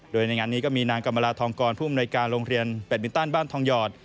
โดยในงานนี้ก็มีนางกรรมลาทองกรผู้อำนวยการโรงเรียนแบตมินตันบ้านทองหยอด